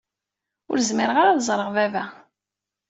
Ur zmireɣ ara ad ẓreɣ baba.